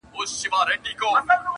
تور وېښته می سپین په انتظار کړله -